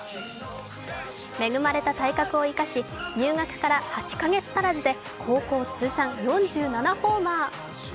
恵まれた体格を生かし入学から８カ月足らずで高校通算４５ホーマー。